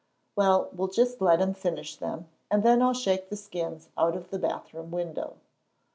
"Well, we'll just let him finish them, and then I'll shake the skins out of the bath room window."